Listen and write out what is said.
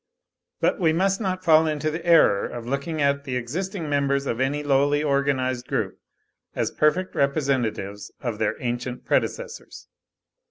But we must not fall into the error of looking at the existing members of any lowly organised group as perfect representatives of their ancient predecessors.